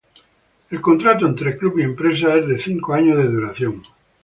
El contrato entre club y empresa es de cinco años de duración.